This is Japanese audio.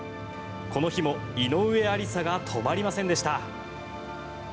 この日も井上愛里沙が止まりませんでした。